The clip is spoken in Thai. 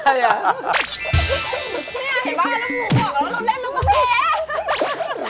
เนี้ยเห็นไหม